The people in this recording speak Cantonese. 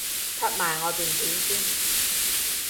出埋我段片先